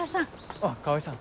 あっ川合さん。